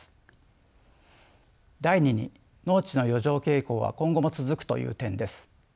第２に農地の余剰傾向は今後も続くという点です。